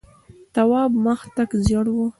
تواب مخ تک ژېړ و.